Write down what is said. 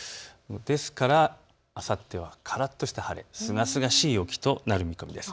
ですからあさってはからっとした晴れ、すがすがしい陽気となる見込みです。